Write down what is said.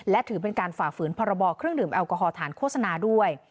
และถือเป็นการฝ่าฝืนพรบเครื่องดื่มแอลกอฮอลฐานโฆษณาด้วย